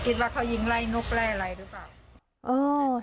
คิดว่าเขายิงไล่นกไล่อะไรหรือเปล่า